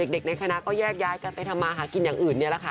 เด็กในคณะก็แยกย้ายกันไปทำมาหากินอย่างอื่นนี่แหละค่ะ